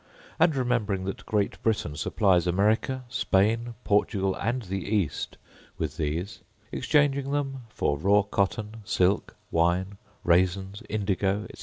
and remembering that Great Britain supplies America, Spain, Portugal, and the East, with these, exchanging them for raw cotton, silk, wine, raisins, indigo, &c.